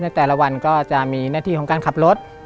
แต่ละวันก็จะมีหน้าที่ของการขับรถ